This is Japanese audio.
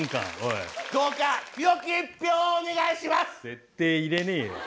ぜってえ入れねえよ！